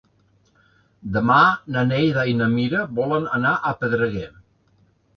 Demà na Neida i na Mira volen anar a Pedreguer.